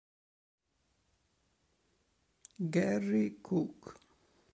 Garry Cook